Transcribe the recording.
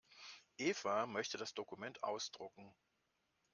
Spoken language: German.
Eva möchte das Dokument ausdrucken.